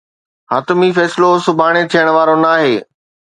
حتمي فيصلو سڀاڻي ٿيڻ وارو ناهي.